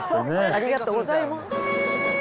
ありがとうございます。